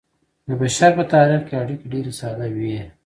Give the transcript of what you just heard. د بشر په تاریخ کې اړیکې ډیرې ساده وې.